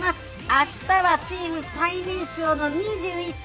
あしたはチーム最年少の２１歳